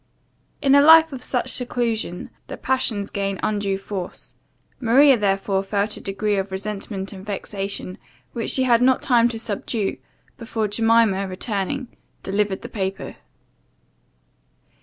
In a life of such seclusion, the passions gain undue force; Maria therefore felt a great degree of resentment and vexation, which she had not time to subdue, before Jemima, returning, delivered the paper.